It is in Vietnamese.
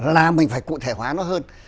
là mình phải cụ thể hóa nó hơn